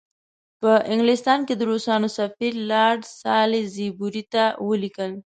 په انګلستان کې د روسانو سفیر لارډ سالیزبوري ته ولیکل.